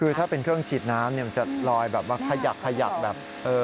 คือถ้าเป็นเครื่องฉีดน้ำเนี่ยมันจะลอยแบบว่าขยักขยักแบบ